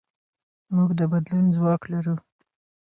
موږ د بدلون ځواک لرو.